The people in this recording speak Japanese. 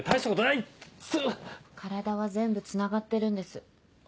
体は全部つながってるんです。